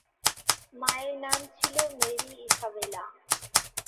মায়ের নাম ছিল মেরি ইসাবেলা।